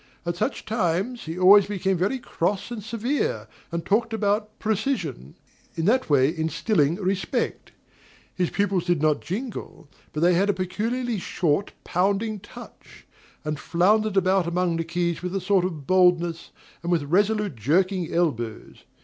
At such times he always became very cross and severe, and talked about "precision;" in that way instilling respect. His pupils did not jingle, but they had a peculiarly short, pounding touch; and floundered about among the keys with a sort of boldness, and with resolute, jerking elbows.